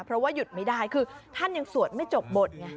เพราะว่าหยุดไม่ได้คือท่านยังสวดไม่จบบทไง